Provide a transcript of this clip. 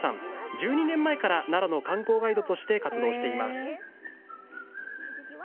１２年前から、奈良の観光ガイドとして活動しています。